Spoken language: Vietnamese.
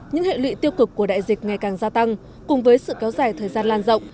những hệ lụy tiêu cực của đại dịch ngày càng gia tăng cùng với sự kéo dài thời gian lan rộng